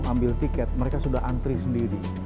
ambil tiket mereka sudah antri sendiri